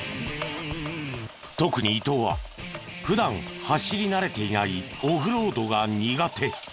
特に伊東は普段走り慣れていないオフロードが苦手。